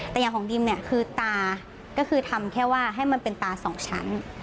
แต่อย่างของดิมเนี่ยคือตาก็คือทำแค่ว่าให้มันเป็นตาสองชั้น